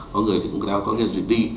có người thì cũng đã có cái duyệt đi